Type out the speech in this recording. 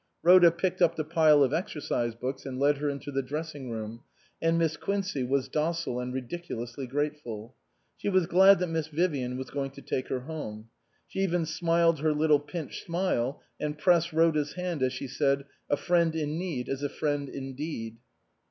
Rhoda picked up the pile of exercise books and led her into the dressing room, and Miss Quincey was docile and ridicu lously grateful. She was glad that Miss Vivian was going to take her home. She even smiled her little pinched smile and pressed Rhoda's hand as she said, " A friend in need is a friend indeed."